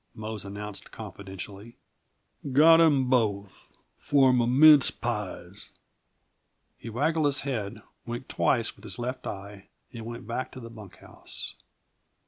Mose announced confidentially. "Got 'em both for m'mince pies!" He waggled his head, winked twice with his left eye, and went back to the bunk house.